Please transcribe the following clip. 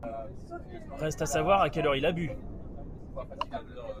Reste à savoir à quelle heure il a bu.